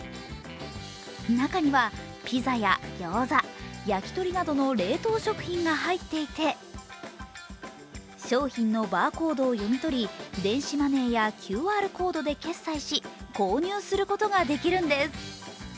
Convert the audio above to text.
中には、ピザやギョーザ、焼き鳥などの冷凍食品が入っていて、商品のバーコードを読み取り電子マネーやＱＲコードで決済し、購入することができるんです。